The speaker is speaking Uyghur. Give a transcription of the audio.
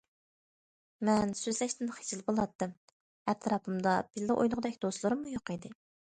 مەن سۆزلەشتىن خىجىل بولاتتىم، ئەتراپىمدا بىللە ئوينىغۇدەك دوستلىرىممۇ يوق ئىدى.